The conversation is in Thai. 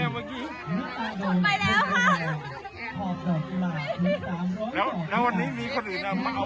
อะเป็นกับหนึ่งครั้งคมุดตรงนี้ชัดลงเป็นหัว